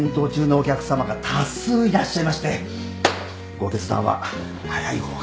ご決断は早い方が。